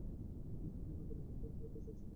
এই নগরী হিন্দু ও বৌদ্ধ ধর্ম চর্চার একটি কেন্দ্রও ছিল।